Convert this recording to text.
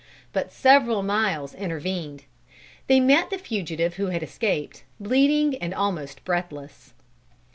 But several miles intervened. They met the fugitive who had escaped, bleeding and almost breathless.